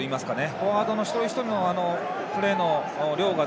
フォワードの一人一人のプレーの量が